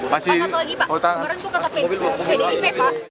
pak kta golkar sudah dapat